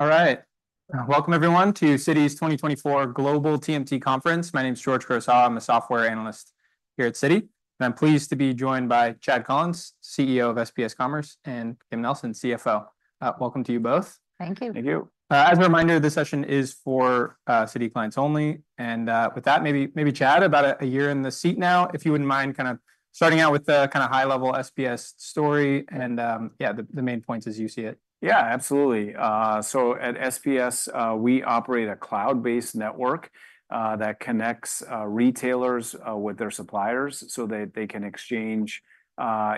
All right. Welcome, everyone, to Citi's 2024 Global TMT Conference. My name's George Kurosawa, I'm a software analyst here at Citi, and I'm pleased to be joined by Chad Collins, CEO of SPS Commerce, and Kim Nelson, CFO. Welcome to you both. Thank you. Thank you. As a reminder, this session is for Citi clients only. With that, maybe Chad, about a year in the seat now, if you wouldn't mind kind of starting out with the kinda high-level SPS story, and yeah, the main points as you see it. Yeah, absolutely, so at SPS we operate a cloud-based network that connects retailers with their suppliers so that they can exchange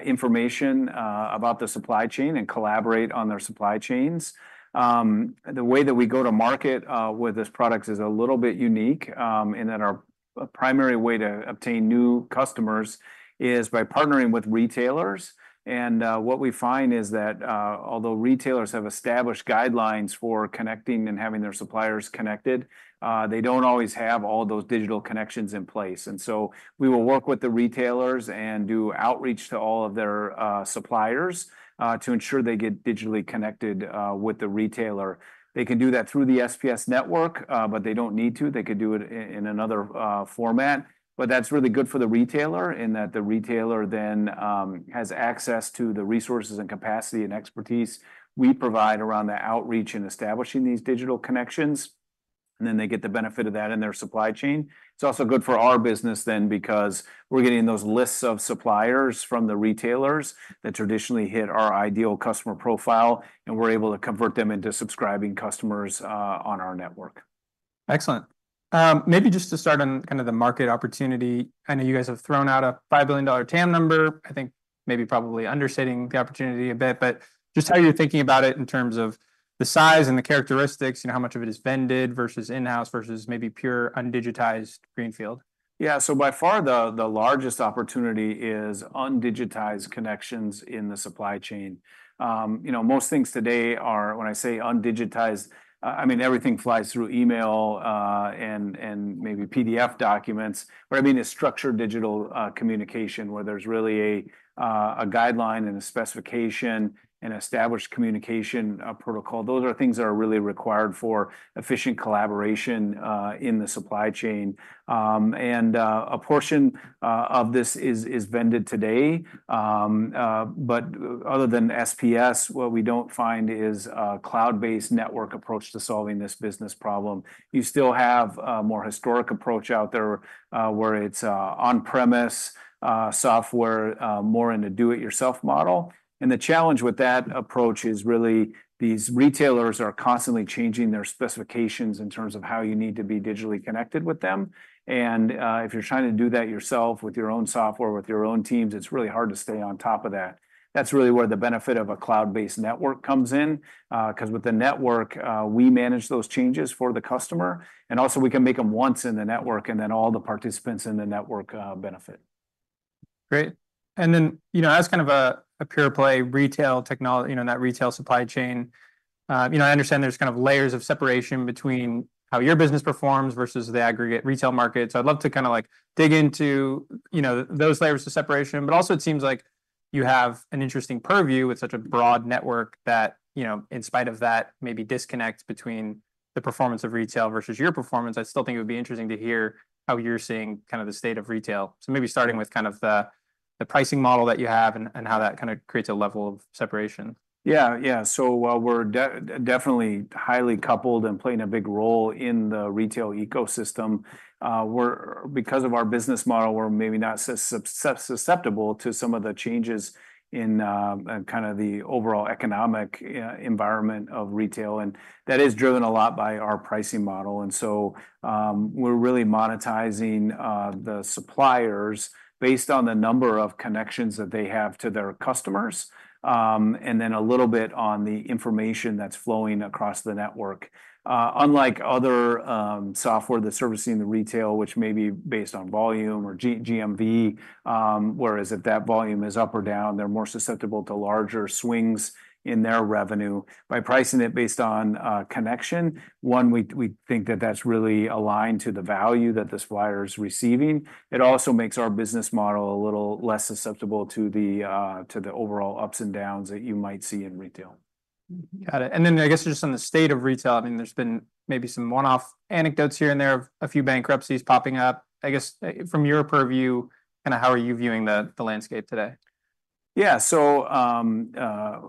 information about the supply chain and collaborate on their supply chains. The way that we go to market with this product is a little bit unique in that our primary way to obtain new customers is by partnering with retailers, and what we find is that although retailers have established guidelines for connecting and having their suppliers connected they don't always have all those digital connections in place, and so we will work with the retailers and do outreach to all of their suppliers to ensure they get digitally connected with the retailer. They can do that through the SPS network, but they don't need to. They could do it in another format. But that's really good for the retailer in that the retailer then has access to the resources and capacity and expertise we provide around the outreach and establishing these digital connections, and then they get the benefit of that in their supply chain. It's also good for our business then, because we're getting those lists of suppliers from the retailers that traditionally hit our ideal customer profile, and we're able to convert them into subscribing customers on our network. Excellent. Maybe just to start on kind of the market opportunity. I know you guys have thrown out a $5 billion TAM number, I think maybe probably understating the opportunity a bit, but just how you're thinking about it in terms of the size and the characteristics, you know, how much of it is vended versus in-house versus maybe pure, undigitized greenfield? Yeah, so by far the largest opportunity is undigitized connections in the supply chain. You know, most things today are, when I say undigitized, I mean, everything flies through email, and maybe PDF documents. What I mean is structured digital communication, where there's really a guideline and a specification and established communication protocol. Those are things that are really required for efficient collaboration in the supply chain. And a portion of this is vended today. But other than SPS, what we don't find is a cloud-based network approach to solving this business problem. You still have a more historic approach out there, where it's on-premise software, more in a do-it-yourself model. And the challenge with that approach is really these retailers are constantly changing their specifications in terms of how you need to be digitally connected with them. And, if you're trying to do that yourself with your own software, with your own teams, it's really hard to stay on top of that. That's really where the benefit of a cloud-based network comes in, because with the network, we manage those changes for the customer, and also we can make them once in the network, and then all the participants in the network benefit. Great. And then, you know, as kind of a pure play retail technology, you know, not retail supply chain, you know, I understand there's kind of layers of separation between how your business performs versus the aggregate retail market. So I'd love to kind of like dig into, you know, those layers of separation. But also it seems like you have an interesting purview with such a broad network that, you know, in spite of that maybe disconnect between the performance of retail versus your performance, I still think it would be interesting to hear how you're seeing kind of the state of retail. So maybe starting with kind of the pricing model that you have and how that kind of creates a level of separation. Yeah, yeah. So while we're definitely highly coupled and playing a big role in the retail ecosystem, we're, because of our business model, we're maybe not susceptible to some of the changes in, kind of the overall economic environment of retail, and that is driven a lot by our pricing model. And so, we're really monetizing the suppliers based on the number of connections that they have to their customers, and then a little bit on the information that's flowing across the network. Unlike other software that's servicing the retail, which may be based on volume or GMV, whereas if that volume is up or down, they're more susceptible to larger swings in their revenue. By pricing it based on connection, one, we think that that's really aligned to the value that the supplier is receiving. It also makes our business model a little less susceptible to the overall ups and downs that you might see in retail. Got it. And then I guess just on the state of retail, I mean, there's been maybe some one-off anecdotes here and there, a few bankruptcies popping up. I guess, from your purview, kinda how are you viewing the landscape today? Yeah. So,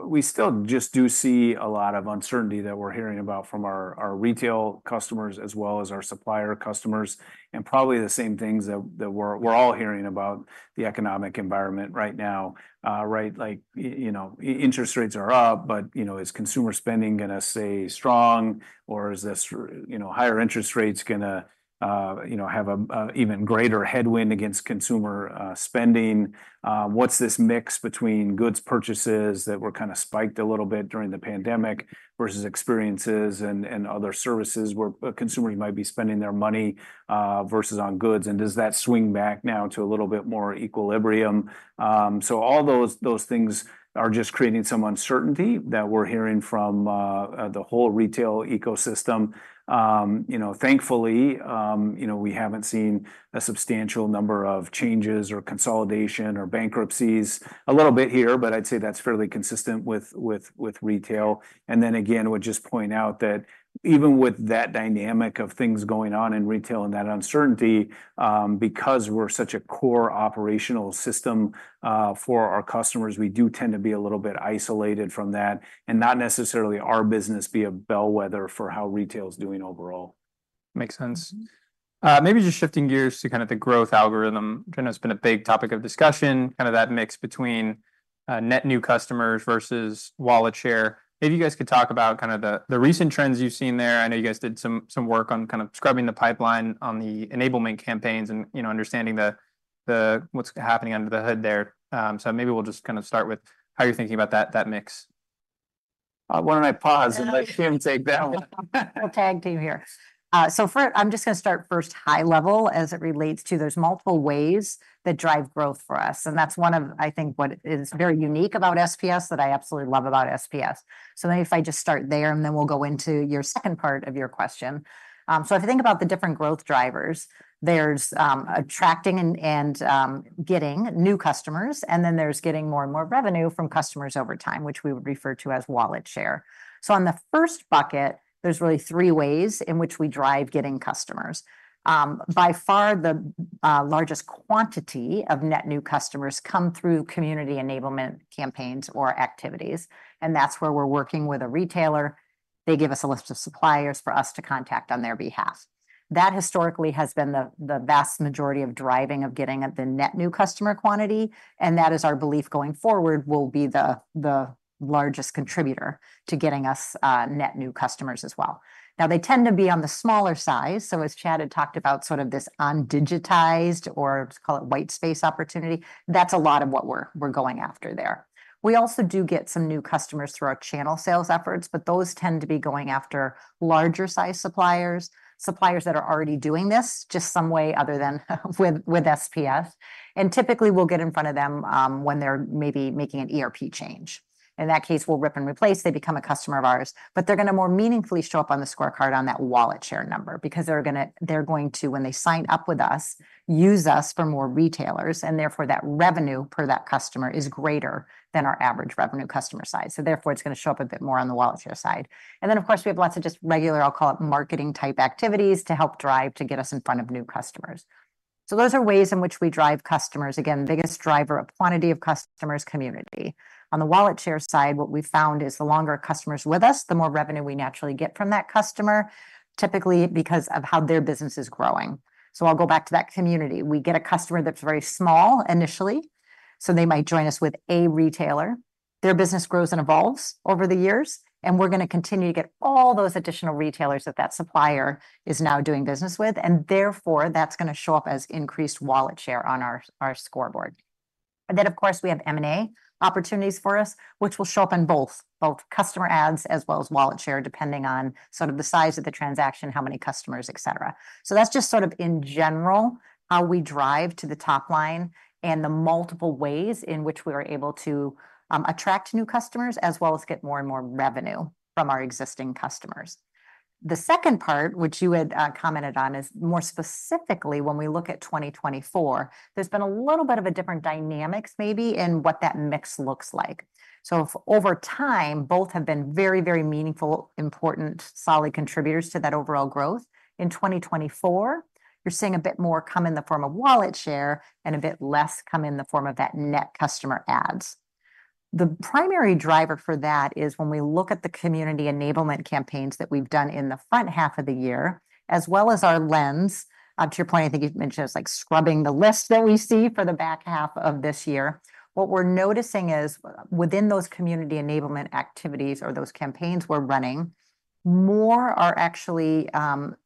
we still just do see a lot of uncertainty that we're hearing about from our retail customers as well as our supplier customers, and probably the same things that we're all hearing about the economic environment right now, right? Like, you know, interest rates are up, but, you know, is consumer spending gonna stay strong, or is this, you know, higher interest rates gonna, you know, have a even greater headwind against consumer spending? What's this mix between goods purchases that were kinda spiked a little bit during the pandemic versus experiences and other services where a consumer might be spending their money, versus on goods, and does that swing back now to a little bit more equilibrium? So all those things are just creating some uncertainty that we're hearing from the whole retail ecosystem. You know, thankfully, you know, we haven't seen a substantial number of changes or consolidation or bankruptcies. A little bit here, but I'd say that's fairly consistent with retail. And then again, I would just point out that even with that dynamic of things going on in retail and that uncertainty, because we're such a core operational system for our customers, we do tend to be a little bit isolated from that, and not necessarily our business be a bellwether for how retail is doing overall. Makes sense. Maybe just shifting gears to kind of the growth algorithm. I know it's been a big topic of discussion, kind of that mix between net new customers versus wallet share. Maybe you guys could talk about kind of the recent trends you've seen there. I know you guys did some work on kind of scrubbing the pipeline on the enablement campaigns and, you know, understanding what's happening under the hood there. So maybe we'll just kind of start with how you're thinking about that mix. Why don't I pause and let Kim take that one? We'll tag team here. So first, I'm just gonna start first high level as it relates to there's multiple ways that drive growth for us, and that's one of, I think, what is very unique about SPS, that I absolutely love about SPS. So maybe if I just start there, and then we'll go into your second part of your question. So if you think about the different growth drivers, there's attracting and getting new customers, and then there's getting more and more revenue from customers over time, which we would refer to as wallet share. So on the first bucket, there's really three ways in which we drive getting customers. By far, the largest quantity of net new customers come through community enablement campaigns or activities, and that's where we're working with a retailer. They give us a list of suppliers for us to contact on their behalf. That historically has been the vast majority of driving of getting the net new customer quantity, and that is our belief going forward will be the largest contributor to getting us net new customers as well. Now, they tend to be on the smaller size, so as Chad had talked about, sort of this undigitized, or let's call it white space opportunity, that's a lot of what we're going after there. We also do get some new customers through our channel sales efforts, but those tend to be going after larger-sized suppliers, suppliers that are already doing this, just some way other than with SPS. And typically, we'll get in front of them when they're maybe making an ERP change. In that case, we'll rip and replace. They become a customer of ours. But they're gonna more meaningfully show up on the scorecard on that wallet share number, because they're going to, when they sign up with us, use us for more retailers, and therefore, that revenue per that customer is greater than our average revenue customer size. So therefore, it's gonna show up a bit more on the wallet share side. And then, of course, we have lots of just regular, I'll call it marketing-type activities to help drive to get us in front of new customers. So those are ways in which we drive customers. Again, the biggest driver of quantity of customers, community. On the wallet share side, what we've found is the longer a customer's with us, the more revenue we naturally get from that customer, typically because of how their business is growing. So I'll go back to that community. We get a customer that's very small initially, so they might join us with a retailer. Their business grows and evolves over the years, and we're gonna continue to get all those additional retailers that that supplier is now doing business with, and therefore, that's gonna show up as increased wallet share on our scoreboard. And then, of course, we have M&A opportunities for us, which will show up on both customer adds as well as wallet share, depending on sort of the size of the transaction, how many customers, et cetera. So that's just sort of in general, how we drive to the top line and the multiple ways in which we are able to attract new customers, as well as get more and more revenue from our existing customers. The second part, which you had commented on, is more specifically when we look at 2024, there's been a little bit of a different dynamics maybe in what that mix looks like. So if over time, both have been very, very meaningful, important, solid contributors to that overall growth, in 2024, you're seeing a bit more come in the form of wallet share and a bit less come in the form of that net customer adds. The primary driver for that is when we look at the community enablement campaigns that we've done in the front half of the year, as well as our lens. To your point, I think you've mentioned, it's like scrubbing the list that we see for the back half of this year. What we're noticing is, within those community enablement activities or those campaigns we're running, more are actually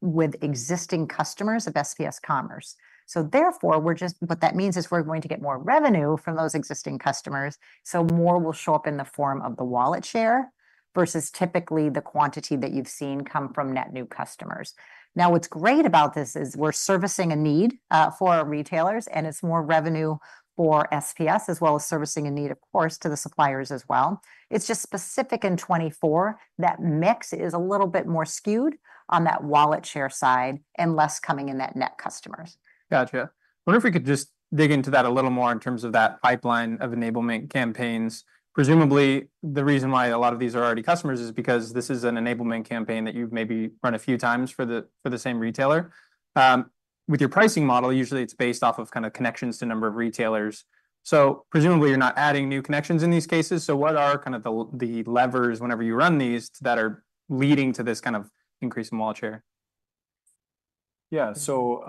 with existing customers of SPS Commerce. So therefore, what that means is we're going to get more revenue from those existing customers, so more will show up in the form of the wallet share, versus typically the quantity that you've seen come from net new customers. Now, what's great about this is we're servicing a need for our retailers, and it's more revenue for SPS, as well as servicing a need, of course, to the suppliers as well. It's just specific in 2024, that mix is a little bit more skewed on that wallet share side and less coming in net new customers. Gotcha. I wonder if we could just dig into that a little more in terms of that pipeline of enablement campaigns. Presumably, the reason why a lot of these are already customers is because this is an enablement campaign that you've maybe run a few times for the same retailer. With your pricing model, usually it's based off of kind of connections to number of retailers, so presumably, you're not adding new connections in these cases. So what are kind of the levers whenever you run these, that are leading to this kind of increase in wallet share? Yeah. So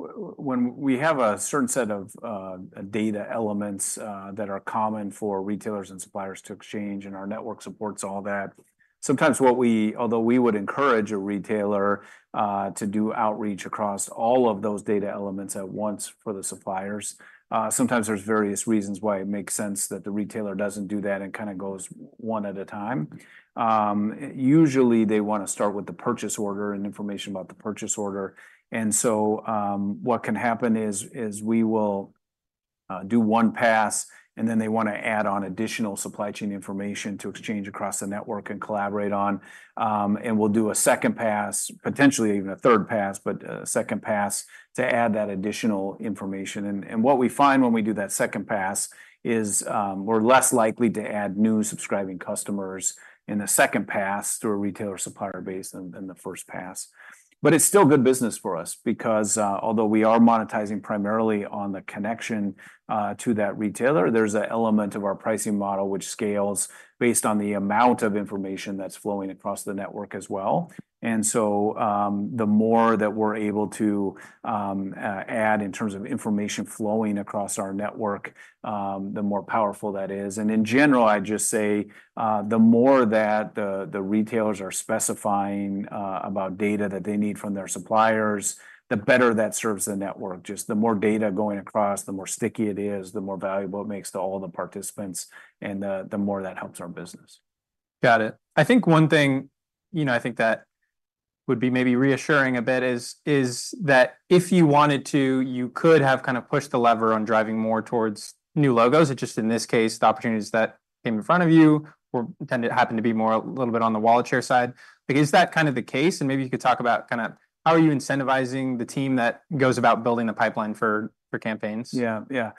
when we have a certain set of data elements that are common for retailers and suppliers to exchange, and our network supports all that, sometimes although we would encourage a retailer to do outreach across all of those data elements at once for the suppliers, sometimes there's various reasons why it makes sense that the retailer doesn't do that and kind of goes one at a time. Usually, they wanna start with the purchase order and information about the purchase order, and so what can happen is we will do one pass, and then they wanna add on additional supply chain information to exchange across the network and collaborate on. And we'll do a second pass, potentially even a third pass, but a second pass, to add that additional information. What we find when we do that second pass is, we're less likely to add new subscribing customers in the second pass to a retailer supplier base than the first pass. But it's still good business for us, because although we are monetizing primarily on the connection to that retailer, there's an element of our pricing model which scales based on the amount of information that's flowing across the network as well. And so, the more that we're able to add in terms of information flowing across our network, the more powerful that is. And in general, I'd just say, the more that the retailers are specifying about data that they need from their suppliers, the better that serves the network. Just the more data going across, the more sticky it is, the more valuable it makes to all of the participants, and the more that helps our business. Got it. I think one thing, you know, would be maybe reassuring a bit is that if you wanted to, you could have kind of pushed the lever on driving more towards new logos. It's just in this case, the opportunities that came in front of you were tended to happen to be more a little bit on the wallet share side. Like, is that kind of the case, and maybe you could talk about kinda how are you incentivizing the team that goes about building the pipeline for campaigns? Yeah. Yeah.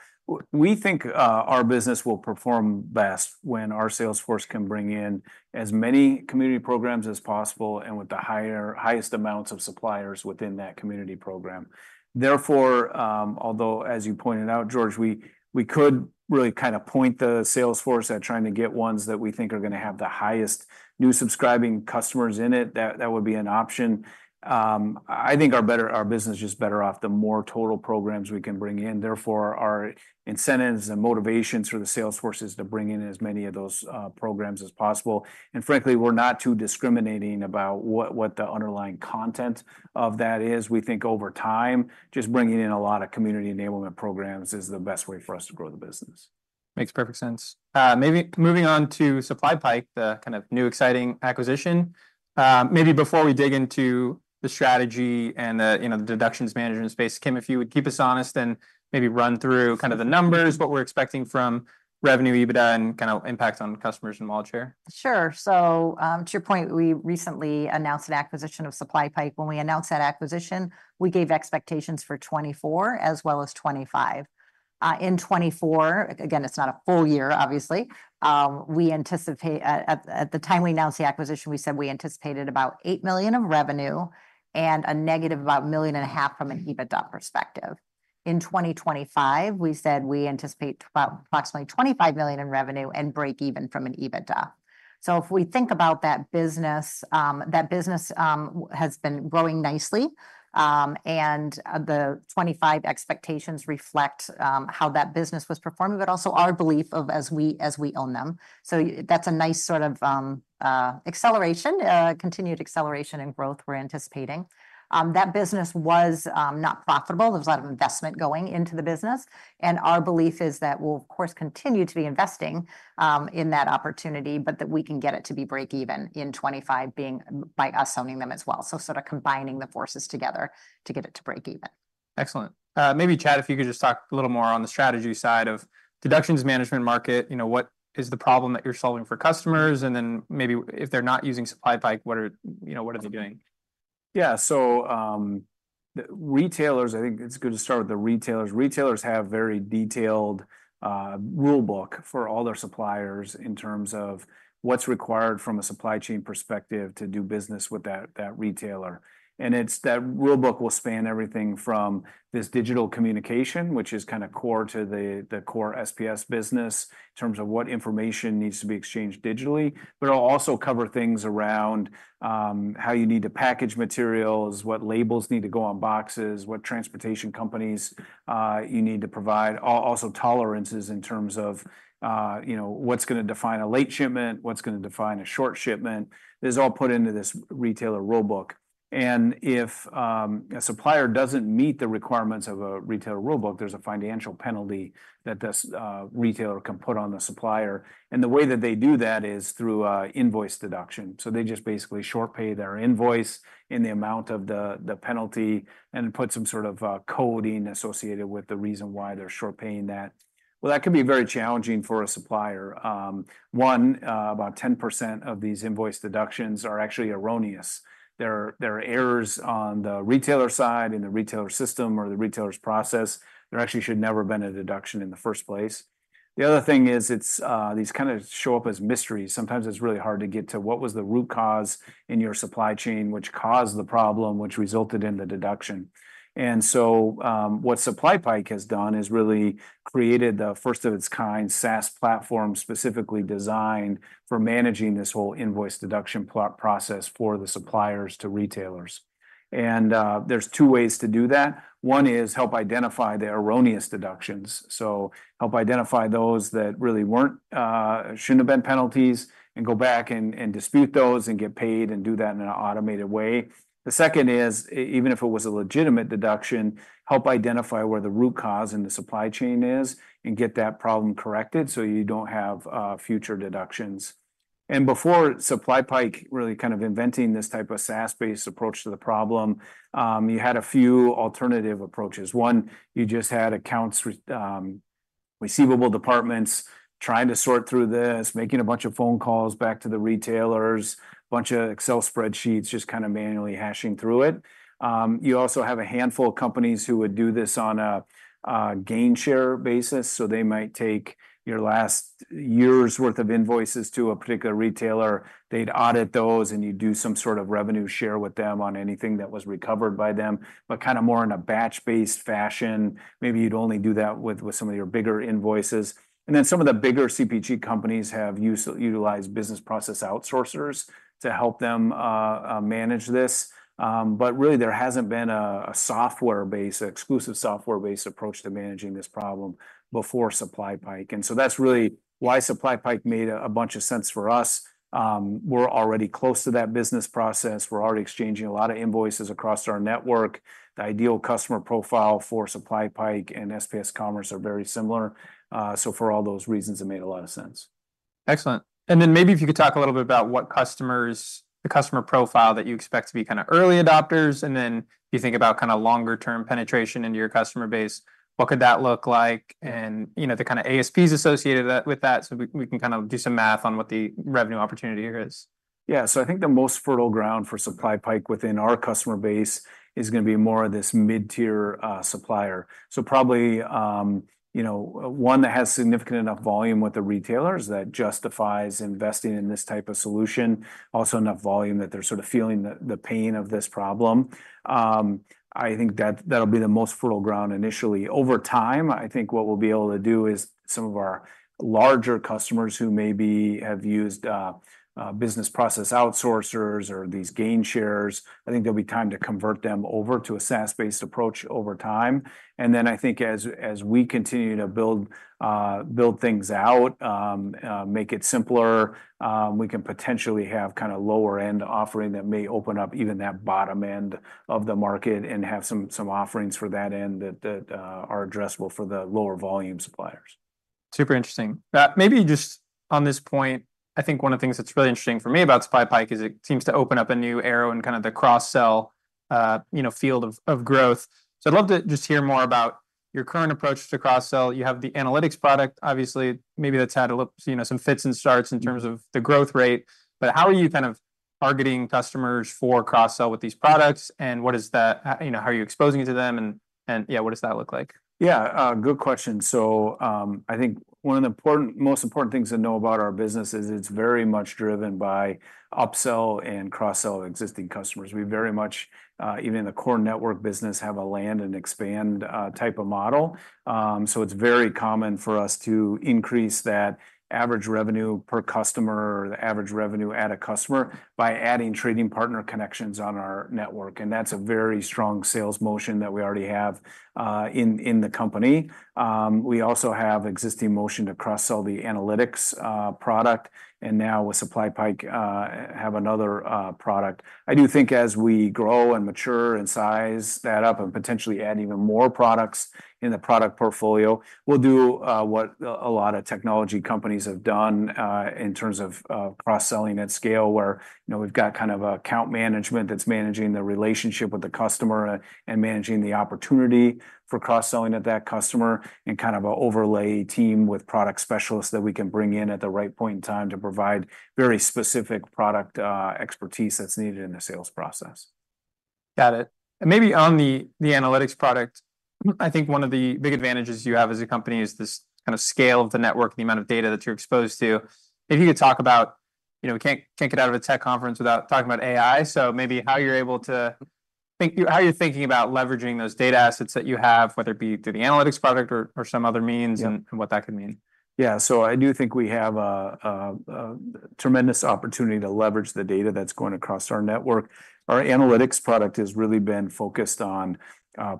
We think our business will perform best when our sales force can bring in as many community programs as possible and with the highest amounts of suppliers within that community program. Therefore, although, as you pointed out, George, we could really kind of point the sales force at trying to get ones that we think are gonna have the highest new subscribing customers in it, that would be an option. I think our business is just better off the more total programs we can bring in. Therefore, our incentives and motivations for the sales force is to bring in as many of those programs as possible. And frankly, we're not too discriminating about what the underlying content of that is. We think over time, just bringing in a lot of community enablement programs is the best way for us to grow the business. Makes perfect sense. Maybe moving on to SupplyPike, the kind of new, exciting acquisition. Maybe before we dig into the strategy and the, you know, the deductions management space, Kim, if you would keep us honest and maybe run through kind of the numbers, what we're expecting from revenue, EBITDA, and kind of impacts on customers and wallet share. Sure. So, to your point, we recently announced an acquisition of SupplyPike. When we announced that acquisition, we gave expectations for 2024 as well as 2025. In 2024, again, it's not a full year, obviously, we anticipate, at the time we announced the acquisition, we said we anticipated about $8 million of revenue and a negative of about $1.5 million from an EBITDA perspective. In 2025, we said we anticipate about approximately $25 million in revenue and breakeven from an EBITDA. So if we think about that business, that business has been growing nicely. And, the 2025 expectations reflect, how that business was performing, but also our belief of as we own them. So that's a nice sort of, acceleration, continued acceleration and growth we're anticipating. That business was not profitable. There was a lot of investment going into the business, and our belief is that we'll, of course, continue to be investing in that opportunity, but that we can get it to be breakeven in 2025, being maybe by us owning them as well, so sort of combining the forces together to get it to breakeven. Excellent. Maybe, Chad, if you could just talk a little more on the strategy side of deductions management market. You know, what is the problem that you're solving for customers? And then maybe if they're not using SupplyPike, what are, you know, what are they doing? Yeah. So, the retailers, I think it's good to start with the retailers. Retailers have very detailed rule book for all their suppliers in terms of what's required from a supply chain perspective to do business with that retailer. And it's that rule book will span everything from this digital communication, which is kind of core to the core SPS business in terms of what information needs to be exchanged digitally. But it'll also cover things around how you need to package materials, what labels need to go on boxes, what transportation companies you need to provide. Also, tolerances in terms of you know, what's gonna define a late shipment, what's gonna define a short shipment. This is all put into this retailer rule book. If a supplier doesn't meet the requirements of a retailer rule book, there's a financial penalty that this retailer can put on the supplier, and the way that they do that is through an invoice deduction. They just basically short pay their invoice in the amount of the penalty and put some sort of coding associated with the reason why they're short paying that. That could be very challenging for a supplier. One, about 10% of these invoice deductions are actually erroneous. There are errors on the retailer side, in the retailer system, or the retailer's process. There actually should never been a deduction in the first place. The other thing is, it's these kind of show up as mysteries. Sometimes it's really hard to get to what was the root cause in your supply chain, which caused the problem, which resulted in the deduction. And so, what SupplyPike has done is really created the first of its kind, SaaS platform, specifically designed for managing this whole invoice deduction process for the suppliers to retailers. And, there's two ways to do that. One is help identify the erroneous deductions, so help identify those that really weren't, shouldn't have been penalties, and go back and dispute those, and get paid, and do that in an automated way. The second is even if it was a legitimate deduction, help identify where the root cause in the supply chain is, and get that problem corrected so you don't have future deductions. And before SupplyPike really kind of inventing this type of SaaS-based approach to the problem, you had a few alternative approaches. One, you just had accounts receivable departments trying to sort through this, making a bunch of phone calls back to the retailers, a bunch of Excel spreadsheets, just kind of manually hashing through it. You also have a handful of companies who would do this on a gain share basis, so they might take your last year's worth of invoices to a particular retailer. They'd audit those, and you'd do some sort of revenue share with them on anything that was recovered by them, but kind of more in a batch-based fashion. Maybe you'd only do that with some of your bigger invoices. And then some of the bigger CPG companies have utilized business process outsourcers to help them manage this. But really, there hasn't been a software-based, exclusively software-based approach to managing this problem before SupplyPike. And so that's really why SupplyPike made a bunch of sense for us. We're already close to that business process. We're already exchanging a lot of invoices across our network. The ideal customer profile for SupplyPike and SPS Commerce are very similar. So for all those reasons, it made a lot of sense. Excellent. And then maybe if you could talk a little bit about what customers, the customer profile that you expect to be kind of early adopters, and then you think about kind of longer-term penetration into your customer base, what could that look like? And, you know, the kind of ASPs associated that, with that, so we can kind of do some math on what the revenue opportunity here is. Yeah, so I think the most fertile ground for SupplyPike within our customer base is gonna be more of this mid-tier supplier. So probably, you know, one that has significant enough volume with the retailers that justifies investing in this type of solution. Also, enough volume that they're sort of feeling the pain of this problem. I think that that'll be the most fertile ground initially. Over time, I think what we'll be able to do is some of our larger customers who maybe have used business process outsourcers or these gain shares. I think there'll be time to convert them over to a SaaS-based approach over time. And then I think as we continue to build things out, make it simpler, we can potentially have kind of lower-end offering that may open up even that bottom end of the market and have some offerings for that end that are addressable for the lower volume suppliers. Super interesting. Maybe just on this point, I think one of the things that's really interesting for me about SupplyPike is it seems to open up a new era in kind of the cross-sell, you know, field of growth. So I'd love to just hear more about your current approach to cross-sell. You have the analytics product, obviously, maybe that's had a little, you know, some fits and starts in terms of the growth rate, but how are you kind of targeting customers for cross-sell with these products, and what does that, you know, how are you exposing it to them, and, yeah, what does that look like? Yeah, good question, so I think one of the important, most important things to know about our business is it's very much driven by upsell and cross-sell existing customers. We very much even in the core network business have a land and expand type of model, so it's very common for us to increase that average revenue per customer or the average revenue at a customer by adding trading partner connections on our network, and that's a very strong sales motion that we already have in the company. We also have existing motion to cross-sell the analytics product, and now with SupplyPike have another product. I do think as we grow and mature and size that up and potentially add even more products in the product portfolio, we'll do what a lot of technology companies have done in terms of cross-selling at scale, where, you know, we've got kind of account management that's managing the relationship with the customer and managing the opportunity for cross-selling of that customer, and kind of an overlay team with product specialists that we can bring in at the right point in time to provide very specific product expertise that's needed in the sales process. Got it. And maybe on the analytics product, I think one of the big advantages you have as a company is this kind of scale of the network, the amount of data that you're exposed to. If you could talk about, you know, we can't get out of a tech conference without talking about AI, so maybe how you're thinking about leveraging those data assets that you have, whether it be through the analytics product or some other means and what that could mean. Yeah. So I do think we have a tremendous opportunity to leverage the data that's going across our network. Our analytics product has really been focused on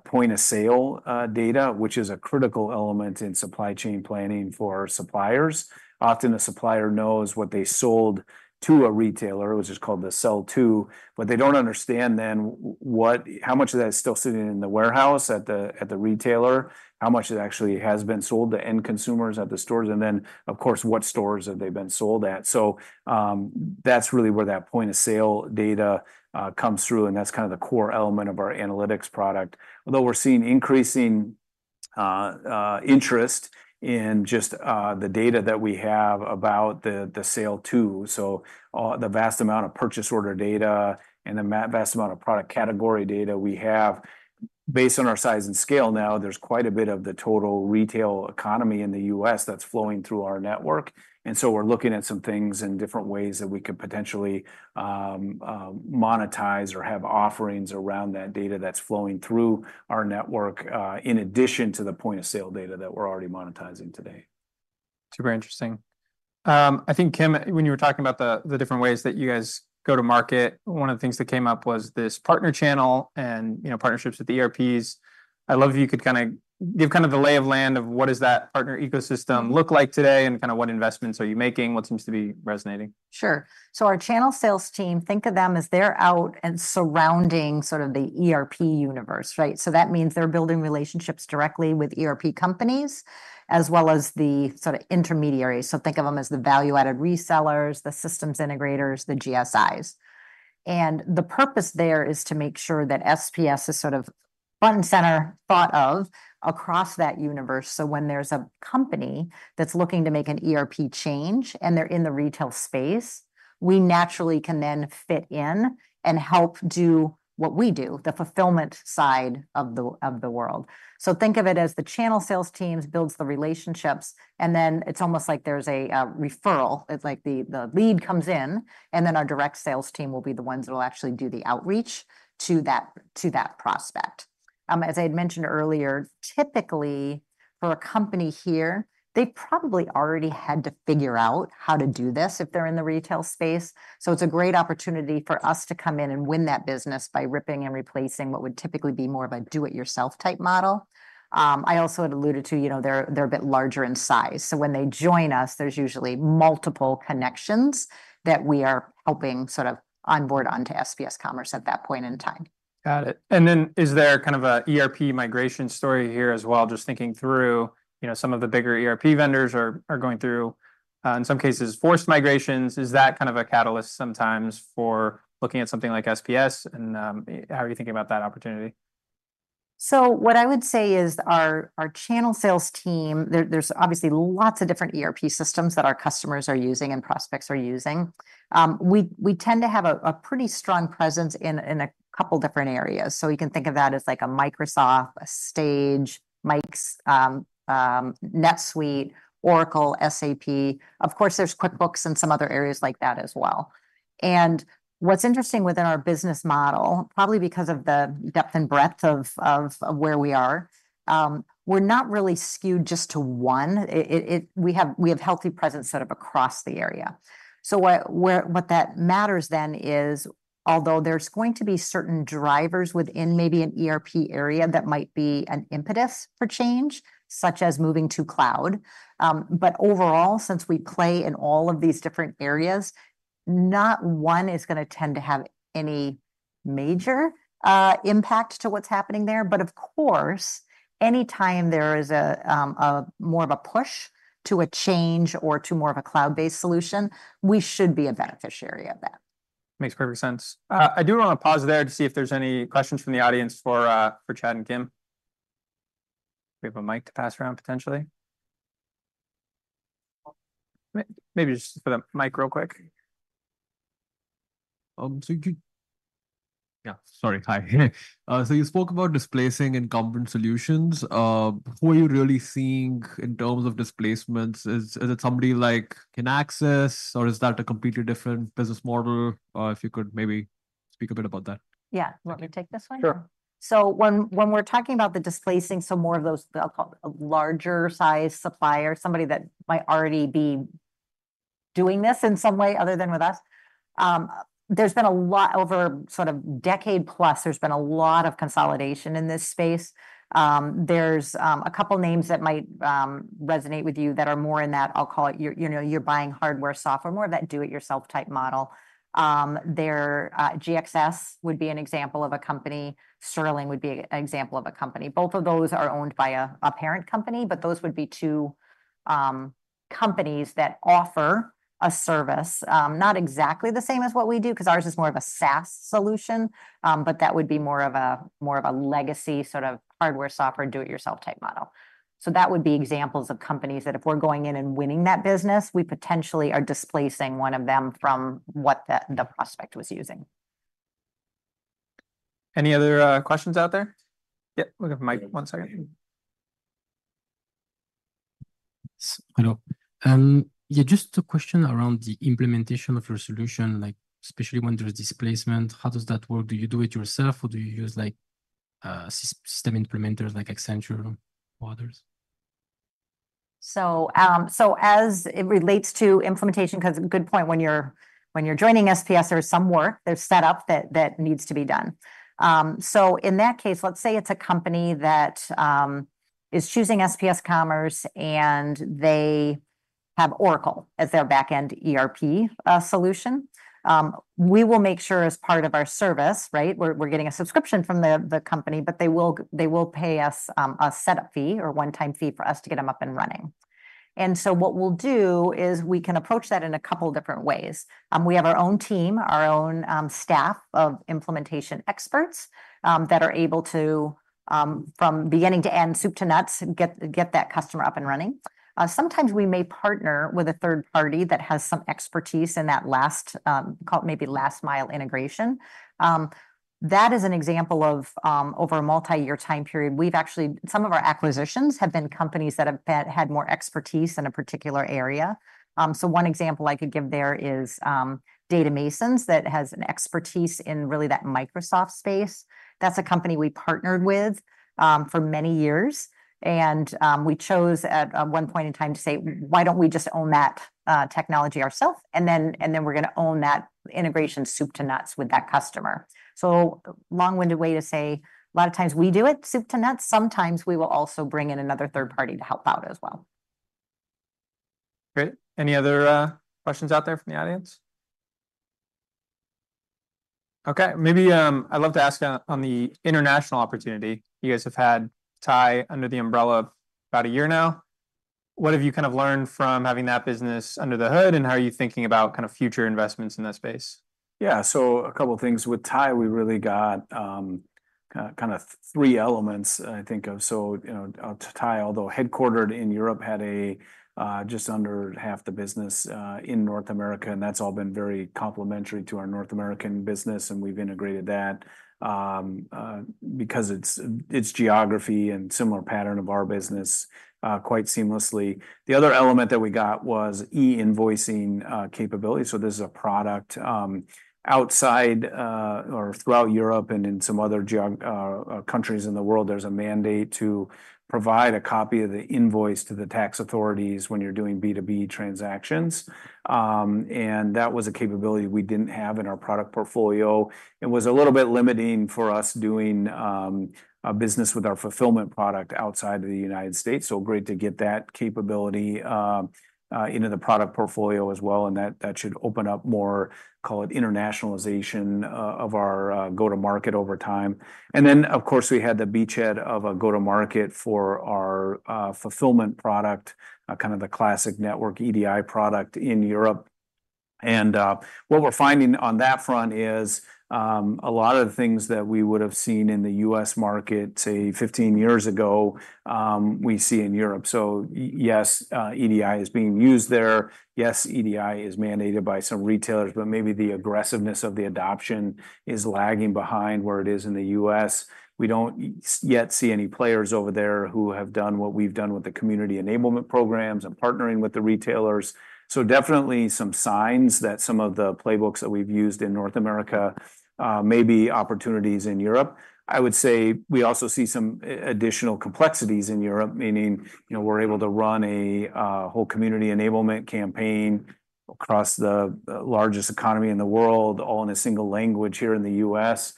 point-of-sale data, which is a critical element in supply chain planning for suppliers. Often, a supplier knows what they sold to a retailer, which is called the sell-to, but they don't understand what, how much of that is still sitting in the warehouse at the retailer, how much it actually has been sold to end consumers at the stores, and then, of course, what stores have they been sold at? So, that's really where that point-of-sale data comes through, and that's kind of the core element of our analytics product. Although we're seeing increasing interest in just the data that we have about the sales, too. So the vast amount of purchase order data and the vast amount of product category data we have, based on our size and scale now, there's quite a bit of the total retail economy in the U.S. that's flowing through our network. And so we're looking at some things and different ways that we could potentially monetize or have offerings around that data that's flowing through our network in addition to the point-of-sale data that we're already monetizing today. Super interesting. I think, Kim, when you were talking about the different ways that you guys go to market, one of the things that came up was this partner channel and, you know, partnerships with the ERPs. I'd love if you could kind of give kind of the lay of the land of what does that partner ecosystem look like today, and kind of what investments are you making, what seems to be resonating? Sure. So our channel sales team, think of them as they're out and surrounding sort of the ERP universe, right? So that means they're building relationships directly with ERP companies, as well as the sort of intermediaries. So think of them as the value-added resellers, the systems integrators, the GSIs. And the purpose there is to make sure that SPS is sort of front and center thought of across that universe. So when there's a company that's looking to make an ERP change and they're in the retail space, we naturally can then fit in and help do what we do, the fulfillment side of the, of the world. So think of it as the channel sales teams builds the relationships, and then it's almost like there's a, referral. It's like the lead comes in, and then our direct sales team will be the ones that will actually do the outreach to that prospect. As I had mentioned earlier, typically, for a company here, they've probably already had to figure out how to do this if they're in the retail space. So it's a great opportunity for us to come in and win that business by ripping and replacing what would typically be more of a do-it-yourself type model. I also had alluded to, you know, they're a bit larger in size, so when they join us, there's usually multiple connections that we are helping sort of onboard onto SPS Commerce at that point in time. Got it. And then is there kind of a ERP migration story here as well? Just thinking through, you know, some of the bigger ERP vendors are going through, in some cases, forced migrations. Is that kind of a catalyst sometimes for looking at something like SPS, and, how are you thinking about that opportunity? So what I would say is our channel sales team. There's obviously lots of different ERP systems that our customers are using and prospects are using. We tend to have a pretty strong presence in a couple different areas. So you can think of that as like a Microsoft, a Sage, Microsoft, NetSuite, Oracle, SAP. Of course, there's QuickBooks and some other areas like that as well. What's interesting within our business model, probably because of the depth and breadth of where we are, we're not really skewed just to one. It. We have healthy presence set up across the area. So what matters then is, although there's going to be certain drivers within maybe an ERP area that might be an impetus for change, such as moving to cloud, but overall, since we play in all of these different areas, not one is gonna tend to have any major impact to what's happening there. But of course, any time there is a more of a push to a change or to more of a cloud-based solution, we should be a beneficiary of that. Makes perfect sense. I do wanna pause there to see if there's any questions from the audience for Chad and Kim. We have a mic to pass around, potentially? Maybe just for the mic real quick. Yeah, sorry. Hi. So you spoke about displacing incumbent solutions. Who are you really seeing in terms of displacements? Is it somebody like Kinaxis, or is that a completely different business model? If you could maybe speak a bit about that. Yeah. You want me to take this one? Sure. So when we're talking about the displacing, so more of those, I'll call it, a larger size supplier, somebody that might already be doing this in some way other than with us, there's been a lot over sort of decade plus, there's been a lot of consolidation in this space. There's a couple names that might resonate with you that are more in that, I'll call it, your, you know, you're buying hardware, software, more of that do-it-yourself type model. Their GXS would be an example of a company. Sterling would be an example of a company. Both of those are owned by a parent company, but those would be two companies that offer a service. Not exactly the same as what we do, 'cause ours is more of a SaaS solution, but that would be more of a legacy sort of hardware, software, do-it-yourself type model. So that would be examples of companies that if we're going in and winning that business, we potentially are displacing one of them from what the prospect was using. Any other questions out there? Yeah, we'll get the mic. One second. Hello. Yeah, just a question around the implementation of your solution, like especially when there's displacement, how does that work? Do you do it yourself, or do you use like system implementers like Accenture or others? As it relates to implementation, 'cause good point, when you're joining SPS, there's some work that's set up that needs to be done. In that case, let's say it's a company that is choosing SPS Commerce, and they have Oracle as their back-end ERP solution. We will make sure as part of our service, right, we're getting a subscription from the company, but they will pay us a setup fee or one-time fee for us to get them up and running. What we'll do is we can approach that in a couple different ways. We have our own team, our own staff of implementation experts that are able to from beginning to end, soup to nuts, get that customer up and running. Sometimes we may partner with a third party that has some expertise in that last, call it maybe last mile integration. That is an example of, over a multi-year time period, we've actually. Some of our acquisitions have been companies that have, that had more expertise in a particular area. So one example I could give there is, Data Masons, that has an expertise in really that Microsoft space. That's a company we partnered with, for many years, and, we chose, at one point in time to say why don't we just own that technology ourself? And then, and then we're gonna own that integration, soup to nuts, with that customer. So long-winded way to say, a lot of times we do it, soup to nuts. Sometimes we will also bring in another third party to help out as well. Great. Any other questions out there from the audience? Okay, maybe, I'd love to ask on the international opportunity. You guys have had TIE under the umbrella about a year now. What have you kind of learned from having that business under the hood, and how are you thinking about kind of future investments in that space? Yeah, so a couple things. With TIE, we really got kind of three elements I think of. So, you know, TIE, although headquartered in Europe, had a just under half the business in North America, and that's all been very complementary to our North American business, and we've integrated that because it's geography and similar pattern of our business quite seamlessly. The other element that we got was e-invoicing capability. So this is a product outside or throughout Europe and in some other countries in the world, there's a mandate to provide a copy of the invoice to the tax authorities when you're doing B2B transactions. And that was a capability we didn't have in our product portfolio and was a little bit limiting for us doing business with our fulfillment product outside of the United States. So great to get that capability into the product portfolio as well, and that should open up more, call it, internationalization of our go-to-market over time. And then, of course, we had the beachhead of a go-to-market for our fulfillment product kind of the classic network EDI product in Europe. And what we're finding on that front is a lot of the things that we would've seen in the U.S. market, say, 15 years ago, we see in Europe. So yes, EDI is being used there. Yes, EDI is mandated by some retailers, but maybe the aggressiveness of the adoption is lagging behind where it is in the U.S. We don't yet see any players over there who have done what we've done with the community enablement programs and partnering with the retailers. So definitely some signs that some of the playbooks that we've used in North America may be opportunities in Europe. I would say we also see some additional complexities in Europe, meaning, you know, we're able to run a whole community enablement campaign across the largest economy in the world, all in a single language here in the U.S.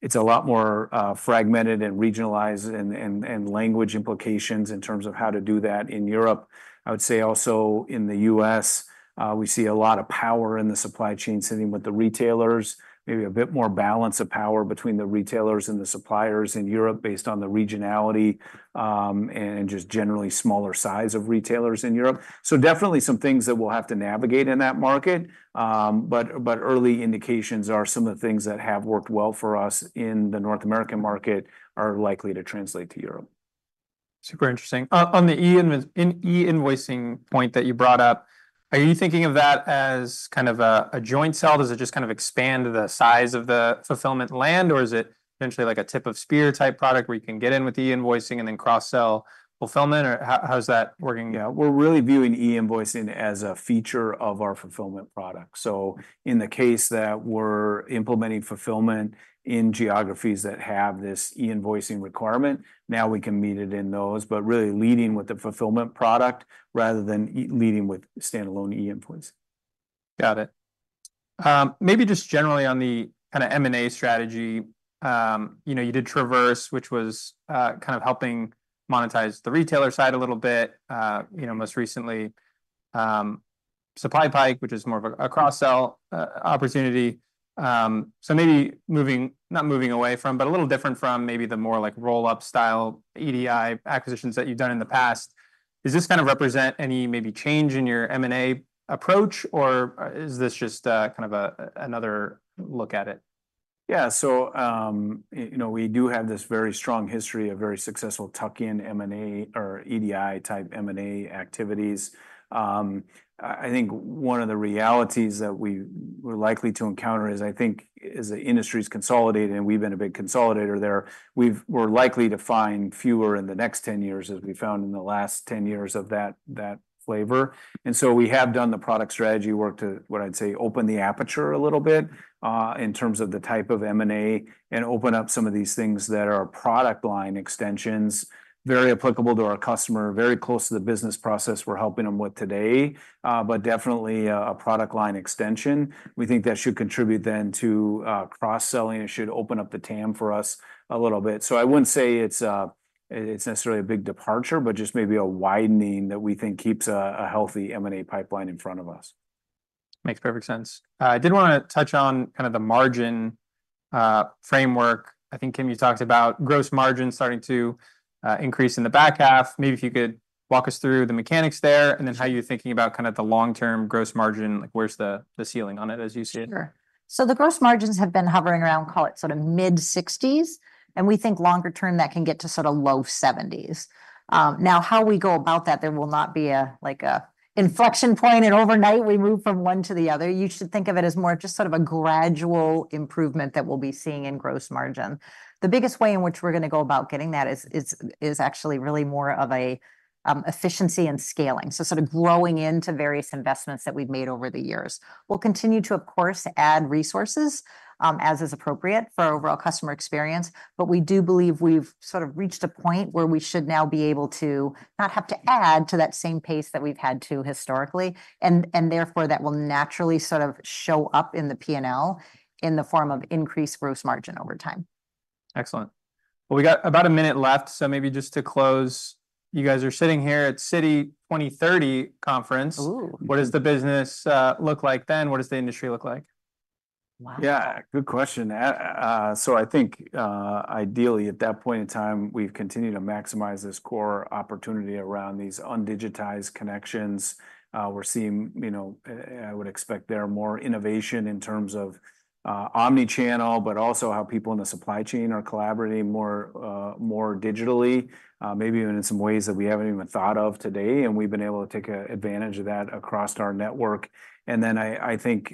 It's a lot more fragmented and regionalized and language implications in terms of how to do that in Europe. I would say also in the U.S., we see a lot of power in the supply chain sitting with the retailers, maybe a bit more balance of power between the retailers and the suppliers in Europe based on the regionality, and just generally smaller size of retailers in Europe. So definitely some things that we'll have to navigate in that market. But early indications are some of the things that have worked well for us in the North American market are likely to translate to Europe. Super interesting. On the e-invoicing point that you brought up, are you thinking of that as kind of a joint sell? Does it just kind of expand the size of the fulfillment land, or is it essentially like a tip-of-spear-type product where you can get in with the e-invoicing and then cross-sell fulfillment, or how's that working out? Yeah, we're really viewing e-invoicing as a feature of our fulfillment product. So in the case that we're implementing fulfillment in geographies that have this e-invoicing requirement, now we can meet it in those, but really leading with the fulfillment product rather than leading with standalone e-invoicing. Got it. Maybe just generally on the kinda M&A strategy, you know, you did Traverse, which was, kind of helping monetize the retailer side a little bit, you know, most recently, SupplyPike, which is more of a cross-sell opportunity. So maybe moving, not moving away from, but a little different from maybe the more like roll-up style EDI acquisitions that you've done in the past. Does this kind of represent any maybe change in your M&A approach, or, is this just, kind of another look at it? Yeah, so, you know, we do have this very strong history of very successful tuck-in M&A or EDI-type M&A activities. I think one of the realities that we're likely to encounter is, I think, as the industry's consolidating, and we've been a big consolidator there, we're likely to find fewer in the next ten years than we found in the last ten years of that, that flavor. And so we have done the product strategy work to, what I'd say, open the aperture a little bit, in terms of the type of M&A, and open up some of these things that are product line extensions, very applicable to our customer, very close to the business process we're helping them with today, but definitely, a product line extension. We think that should contribute then to cross-selling. It should open up the TAM for us a little bit, so I wouldn't say it's necessarily a big departure, but just maybe a widening that we think keeps a healthy M&A pipeline in front of us. Makes perfect sense. I did wanna touch on kind of the margin framework. I think, Kim, you talked about gross margin starting to increase in the back half. Maybe if you could walk us through the mechanics there, and then how you're thinking about kind of the long-term gross margin. Like, where's the ceiling on it, as you see it? Sure. So the gross margins have been hovering around, call it, sort of mid-60s, and we think longer term, that can get to sort of low 70s. Now, how we go about that, there will not be a, like a inflection point, and overnight we move from one to the other. You should think of it as more just sort of a gradual improvement that we'll be seeing in gross margin. The biggest way in which we're gonna go about getting that is actually really more of a efficiency and scaling, so sort of growing into various investments that we've made over the years. We'll continue to, of course, add resources, as is appropriate for overall customer experience, but we do believe we've sort of reached a point where we should now be able to not have to add to that same pace that we've had to historically. And, and therefore, that will naturally sort of show up in the P&L in the form of increased gross margin over time. Excellent. Well, we got about a minute left, so maybe just to close, you guys are sitting here at Citi 2030 Conference. Ooh. What does the business look like then? What does the industry look like? Wow. Yeah, good question. So I think, ideally, at that point in time, we've continued to maximize this core opportunity around these undigitized connections. We're seeing, you know, I would expect there more innovation in terms of, omni-channel, but also how people in the supply chain are collaborating more digitally, maybe even in some ways that we haven't even thought of today, and we've been able to take advantage of that across our network. And then, I think,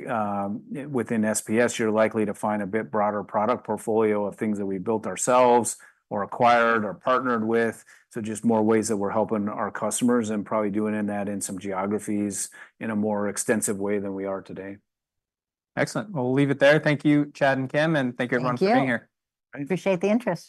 within SPS, you're likely to find a bit broader product portfolio of things that we've built ourselves or acquired or partnered with, so just more ways that we're helping our customers and probably doing that in some geographies in a more extensive way than we are today. Excellent. We'll leave it there. Thank you, Chad and Kim, and thank you everyone. Thank you ...for being here. Appreciate the interest.